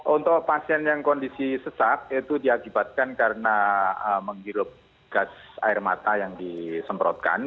untuk pasien yang kondisi sesak itu diakibatkan karena menghirup gas air mata yang disemprotkan